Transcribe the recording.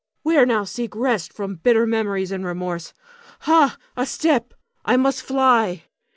Where now seek rest from bitter memories and remorse. Ha, a step! I must fly.